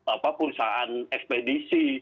apa perusahaan ekspedisi